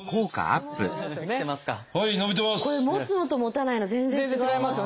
持つのと持たないの全然違います。